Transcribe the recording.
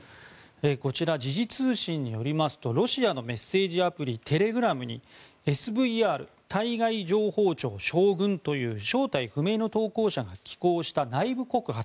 こちら、時事通信によりますとロシアのメッセージアプリテレグラムにＳＶＲ・対外情報庁将軍という正体不明の投稿者が寄稿した内部告発。